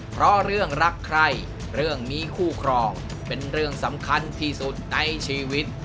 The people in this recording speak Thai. เพราะเรื่องรักใครเรื่องนี้คู่ครองเป็นเรื่องสำคัญที่สุดในชีวิต